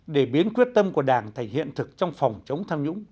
để biến quyết tâm của đảng thành hiện thực trong phòng chống tham nhũng